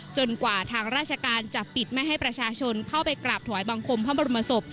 กว่าทางราชการจะปิดไม่ให้ประชาชนเข้าไปกราบถวายบังคมพระบรมศพ